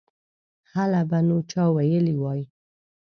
هله به نو چا ویلي وای.